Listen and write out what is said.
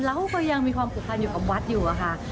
เราก็ยังมีความผูกพันอยู่กับวัดอยู่อะค่ะ